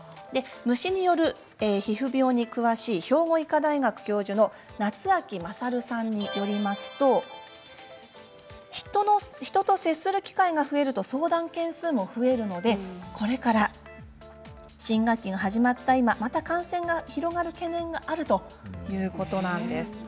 虫による皮膚病に詳しい兵庫医科大学教授の夏秋優さんによりますと人と接する機会が増えると相談件数も増えるので、これから新学期が始まった今また感染が広がる懸念があるということなんです。